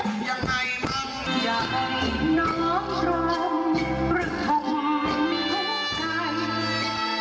ชากนี้วงนี้วนเพียงไปถึงบรรจาก็ลายมาทีหน่า